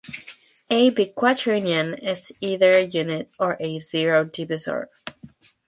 A biquaternion is either a unit or a zero divisor.